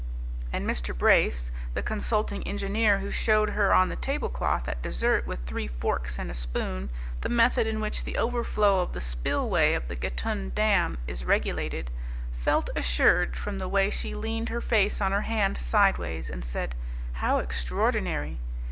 And Mr. Brace, the consulting engineer, who showed her on the table cloth at dessert with three forks and a spoon the method in which the overflow of the spillway of the Gatun Dam is regulated, felt assured, from the way she leaned her face on her hand sideways and said, "How extraordinary!"